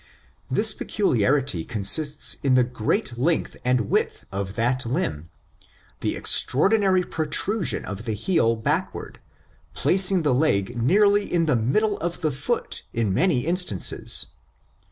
This peculi arity consists in the great length and width of that limb, the extraordinary protrusion of the heel back ward, placing the leg nearly in the middle of the foot in many instances.